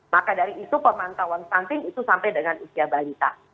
maka dari itu pemantauan stunting itu sampai dengan usia balita